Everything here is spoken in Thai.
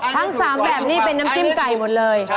ทั้ง๓แบบนี้เป็นน้ำจิ้มไก่หมดเลย